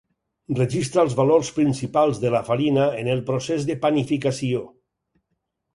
Registra els valors principals de la farina en el procés de panificació.